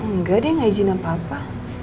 enggak dia gak izin apa apa